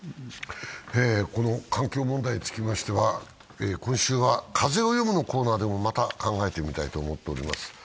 環境問題につきましては今週は「風をよむ」のコーナーでもまた考えてみたいと思っております。